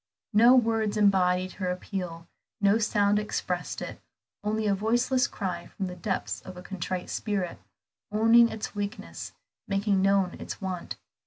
No words embodied her appeal, no sound expressed it, only a voiceless cry from the depths of a contrite spirit, owning its weakness, making known its want.